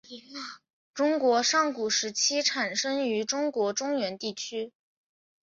中国上古时期产生于中国中原地区。